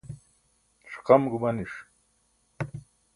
ṣiqam gumaniṣ